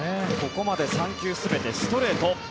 ここまで３球全てストレート。